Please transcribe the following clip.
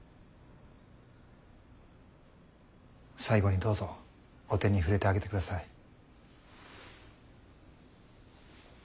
最後にどうぞお手に触れてあげてください。